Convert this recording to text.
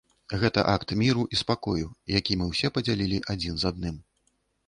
Гэта акт міру і спакою, які мы ўсе падзялілі адзін з адным.